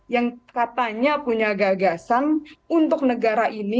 yang katanya punya gagasan untuk negara ini